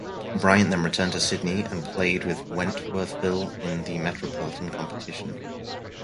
Bryant then returned to Sydney and played with Wentworthville in the metropolitan competition.